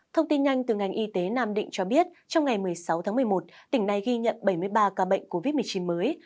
thông tin nhanh từ ngành y tế nam định cho biết trong ngày một mươi sáu tháng một mươi một tỉnh này ghi nhận bảy mươi ba ca bệnh covid một mươi chín mới